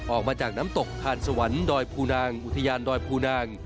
ออกมาจากน้ำตกทานสวรรค์ดอยภูนางอุทยานดอยภูนาง